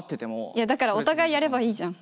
いやだからお互いやればいいじゃん。